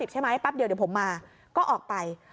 ๓๑๙๐ใช่ไหมปั๊บเดี๋ยวผมมาก็ออกไป